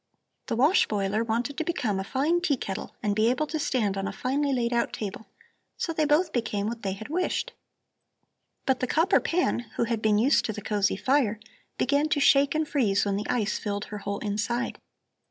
The wash boiler wanted to become a fine tea kettle and be able to stand on a finely laid out table. So they both became what they had wished. "But the copper pan, who had been used to the cosy fire, began to shake and freeze when the ice filled her whole inside.